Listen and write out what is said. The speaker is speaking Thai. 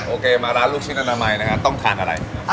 โอเคมาร้านลูกชิ้นน้ำมานี่นะคะต้องทานอะไร